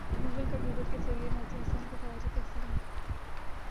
Google کا doodle کے ذریعے نازیہ حسن کو خراج تحسین